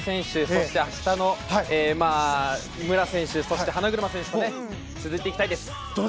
そして明日の武良選手、花車選手と続いていきたいです。